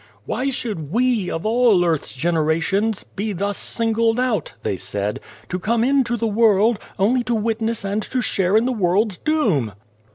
"Why should we, of all earth's generations, be thus singled out," they said, " to come into the world, only to witness and to share in the world's doom